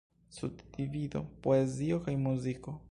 Subdivido: Poezio kaj muziko.